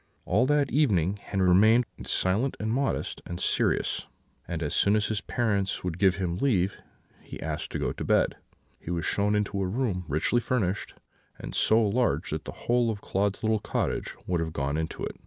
"All that evening Henri remained silent, modest, and serious, and as soon as his parents would give him leave, he asked to go to bed. He was shown into a room richly furnished, and so large that the whole of Claude's little cottage would have gone into it.